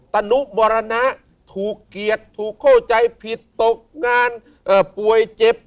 ตนุมรณะถูกเกียรติถูกเข้าใจผิดตกงานป่วยเจ็บ